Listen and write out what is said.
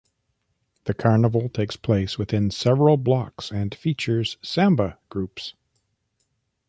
The carnival takes place within several blocks and features samba groups.